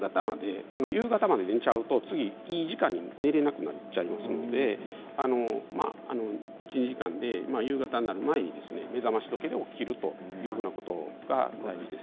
夕方まで寝てしまうと次にいい時間に寝られなくなってしまうので夕方になる前に目覚まし時計で起きるということが大事です。